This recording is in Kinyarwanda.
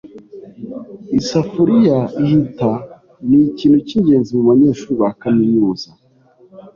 Isafuriya ihita ni ikintu cyingenzi mubanyeshuri ba kaminuza